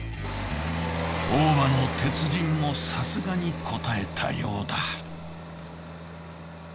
大間の鉄人もさすがにこたえたようだ。